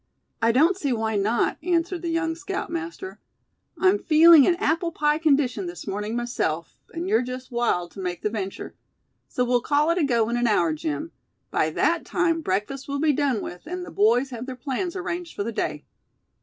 "I don't see why not," answered the young scoutmaster "I'm feeling in apple pie condition this morning, myself; and you're just wild to make the venture. So we'll call it a go in an hour, Jim. By that time breakfast will be done with, and the boys have their plans arranged for the day.